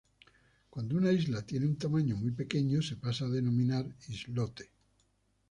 Cuando una isla tiene un tamaño muy pequeño se pasa a denominar islote.